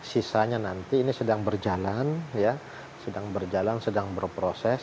sisanya nanti ini sedang berjalan sedang berjalan sedang berproses